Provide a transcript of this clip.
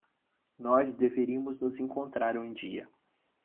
Nós deveríamos nos encontrar um dia.